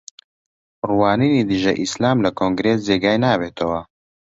ڕوانینی دژە ئیسلام لە کۆنگرێس جێگای نابێتەوە